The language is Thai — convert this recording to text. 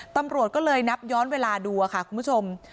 ตำรวจก็เลยนับย้อนเวลาดูค่ะคุณผู้ชม